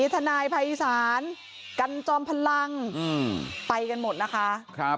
ทนายภัยศาลกันจอมพลังไปกันหมดนะคะ